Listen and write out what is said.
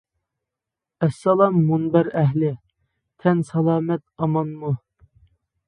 ئەسسالام مۇنبەر ئەھلى، تەن سالامەت ئامانمۇ!